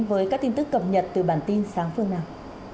với các tin tức cập nhật từ bản tin sáng phương nào